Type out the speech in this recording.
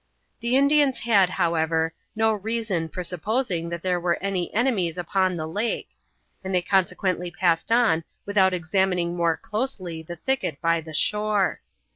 The Indians had, however, no reason for supposing that there were any enemies upon the lake, and they consequently passed on without examining more closely the thicket by the shore.